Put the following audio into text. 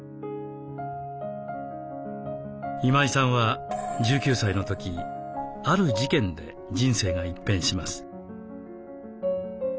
今井さんは１９歳の時ある事件で人生が一変します。